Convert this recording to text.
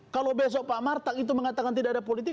kalau besok pak martak itu mengatakan tidak ada politik